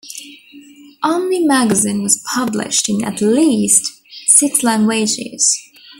"Omni" magazine was published in at least six languages.